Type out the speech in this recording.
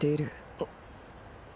あっ。